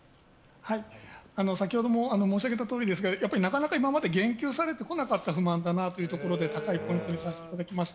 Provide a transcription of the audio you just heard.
先ほども申しあげたとおりなかなか今まで言及されてこなかった不満だなというところで高いポイントにさせていただきました。